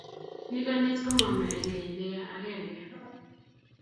nyikanet komamee eng kei neyaa agenge